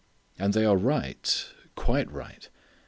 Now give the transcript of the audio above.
And they are right, quite right.